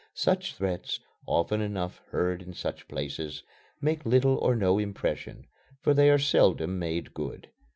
Such threats, often enough heard in such places, make little or no impression, for they are seldom made good.